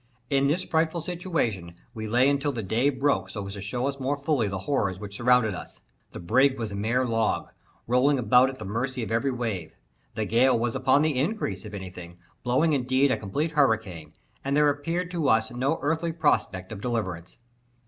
In this frightful situation we lay until the day broke so as to show us more fully the horrors which surrounded us. The brig was a mere log, rolling about at the mercy of every wave; the gale was upon the increase, if any thing, blowing indeed a complete hurricane, and there appeared to us no earthly prospect of deliverance.